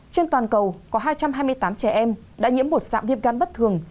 trên toàn cầu có hai trăm hai mươi tám trẻ em đã nhiễm một sạm viêm gan bất thường